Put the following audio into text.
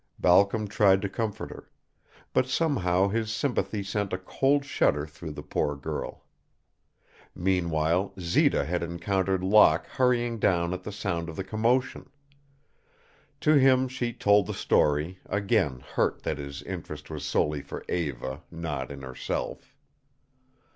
Balcom tried to comfort her. But somehow his sympathy sent a cold shudder through the poor girl. Meanwhile Zita had encountered Locke hurrying down at the sound of the commotion. To him she told the story, again hurt that his interest was solely for Eva, not in herself.